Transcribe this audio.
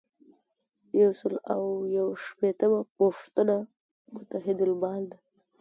یو سل او یو شپیتمه پوښتنه متحدالمال ده.